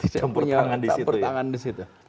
tidak punya rancang pertangan di situ